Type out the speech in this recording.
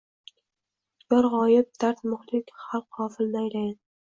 Yor g‘oyib, dard muhlik, xalq g‘ofil, naylayin.